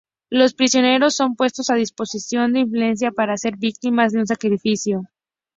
Los prisioneros son puestos a disposición de Ifigenia para ser víctimas de un sacrificio.